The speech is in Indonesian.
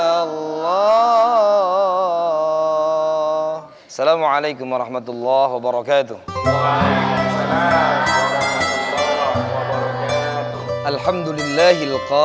assalamualaikum warahmatullahi wabarakatuh